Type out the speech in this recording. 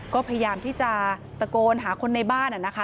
ก็พยายามที่จะตะโกนหาคนในบ้านนะคะ